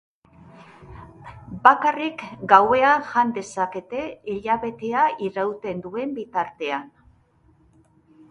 Bakarrik gauean jan dezakete hilabetea irauten duen bitartean.